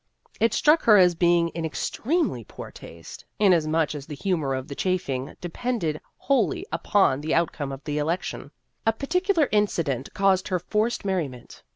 It struck her as being in ex tremely poor taste, inasmuch as the humor of the chaffing depended wholly upon the outcome of the election. A particular incident caused her forced merriment.